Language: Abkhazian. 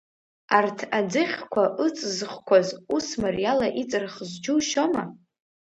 Арҭ аӡыхьқәа ыҵызхқәаз, ус мариала иҵырхыз џьушьома?